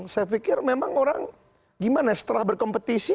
saya pikir memang orang gimana setelah berkompetisi